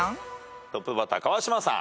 トップバッター川島さん。